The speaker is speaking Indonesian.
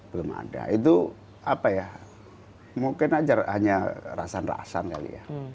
belum ada itu apa ya mungkin aja hanya rasan rasan kali ya